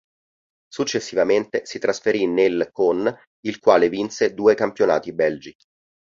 Successivamente si trasferì nel con il quale vinse due campionati belgi.